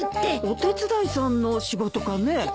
お手伝いさんの仕事かね。